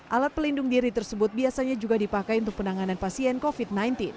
alat pelindung diri tersebut biasanya juga dipakai untuk penanganan pasien covid sembilan belas